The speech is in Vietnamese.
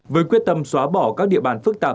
với quyết tâm xóa bỏ các địa bàn phức tạp